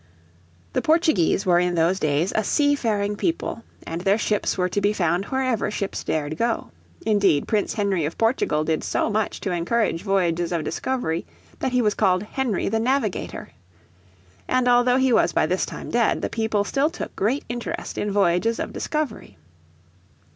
The Portuguese were in those days a sea faring people, and their ships were to be found wherever ships dared go. Indeed Prince Henry of Portugal did so much to encourage voyages of discovery that he was called Henry the Navigator. And although he was by this time dead, the people still took great interest in voyages of discovery.